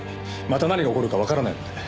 また何が起こるかわからないので。